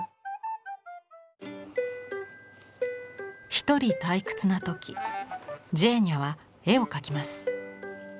一人退屈な時ジェーニャは絵を描きます。